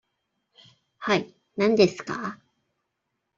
はい、何ですか。